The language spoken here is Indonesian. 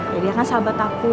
ya dia kan sahabat aku